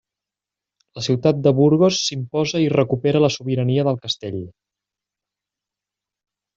La ciutat de Burgos s'imposa i recupera la sobirania del Castell.